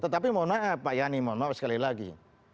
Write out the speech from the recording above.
tetapi mohon maaf pak yani mohon maaf sekali lagi